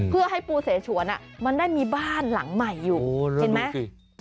เพื่อให้ปูเสฉวนมันได้มีบ้านหลังใหม่อยู่เห็นไหม